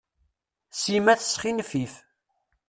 Sima tesxinfif.